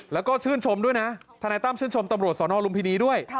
แล้วก็ชื่นชมด้วยนะทนายตั้มชื่นชมตำรวจสนลุมพินีด้วย